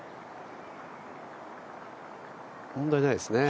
問題ないですね。